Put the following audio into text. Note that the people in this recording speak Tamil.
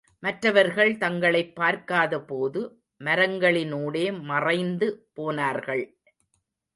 மற்றவர்கள் தங்களைப் பார்க்காத போது மரங்களினூடே மறைந்து போனார்கள்.